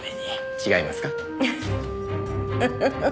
違いますか？